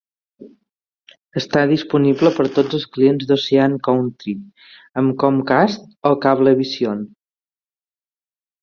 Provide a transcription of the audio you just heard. Està disponible per a tots els clients d"Ocean County amb Comcast o Cablevision.